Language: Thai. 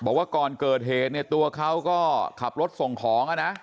บอกว่าก่อนเกิดเหตุเนี่ยตัวเขาก็ขับรถส่งของนะ